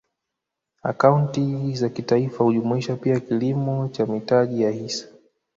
Akaunti za kitaifa hujumuisha pia kipimo cha mitaji ya hisa